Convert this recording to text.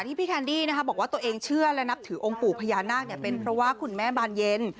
พี่แคนดี้บอกว่าตัวเองเชื่อและนับถือองค์ปู่พญานาคเป็นเพราะว่าคุณแม่บานเย็น